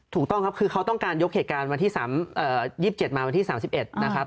ถูกต้องครับคือเขาต้องการยกเหตุการณ์วันที่๒๗มาวันที่๓๑นะครับ